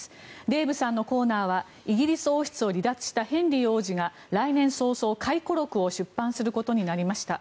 デーブさんのコーナーはイギリス王室を離脱したヘンリー王子が来年早々、回顧録を出版することになりました。